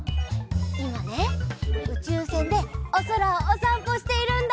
いまねうちゅうせんでおそらをおさんぽしているんだ。